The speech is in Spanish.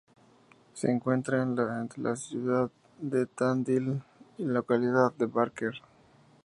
Se encuentra entre la ciudad de Tandil y la localidad de Barker.